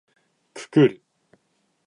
くくる